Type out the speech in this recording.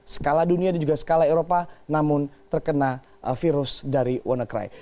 skala dunia dan juga skala eropa namun terkena virus dari wannacry